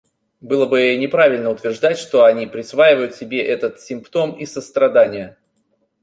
Было бы неправильно утверждать, что они присваивают себе этот симптом из сострадания.